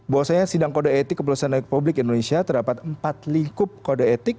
bahwasanya sidang kode etik keputusan republik indonesia terdapat empat lingkup kode etik